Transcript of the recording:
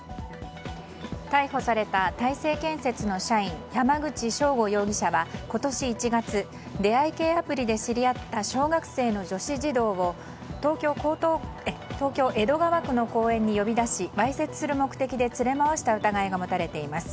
逮捕された大成建設の社員山口祥悟容疑者は今年１月、出会い系アプリで知り合った小学生の女子児童を東京・江戸川区の公園に呼び出しわいせつする目的で連れ回した疑いが持たれています。